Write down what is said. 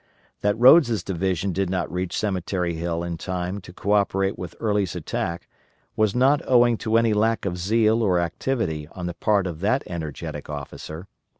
That Rodes' division did not reach Cemetery Hill in time to co operate with Early's attack was not owing to any lack of zeal or activity on the part of that energetic officer.